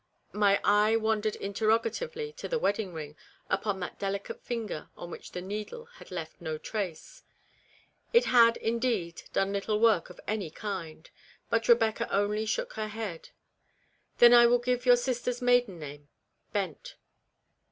My eye wandered interrogatively to the wed ding ring upon that delicate finger on which the needle had left no trace. It had, indeed, done little work of any kind, but Rebecca only shook her head. " Then I will give your sister's maiden name Bent."